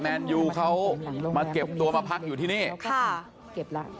แมนยูเขามาเก็บตัวมาพักอยู่ที่นี่ค่ะเก็บแล้ว